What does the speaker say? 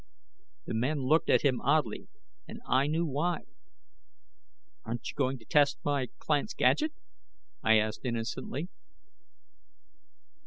The men looked at him oddly, and I knew why. "Aren't you going to test my client's gadget?" I asked innocently.